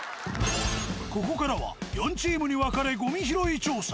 ここからは４チームに分かれゴミ拾い調査。